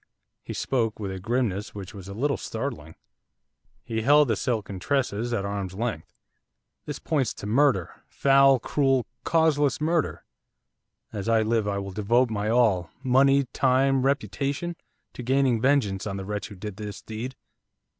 He spoke with a grimness which was a little startling. He held the silken tresses at arm's length. 'This points to murder, foul, cruel, causeless murder. As I live, I will devote my all, money, time, reputation! to gaining vengeance on the wretch who did this deed.